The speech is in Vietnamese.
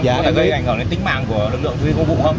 có thể gây ảnh hưởng đến tính mạng của lực lượng tuyến công vụ không